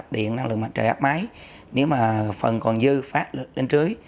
điện năng lượng mặt trời áp máy nếu mà phần còn dư phát lực đến trưới